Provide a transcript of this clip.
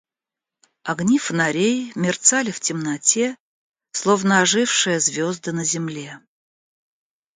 Огни фонарей мерцали в темноте, словно ожившие звезды на земле.